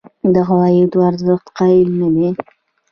عوایدو ارزښت قایل نه دي.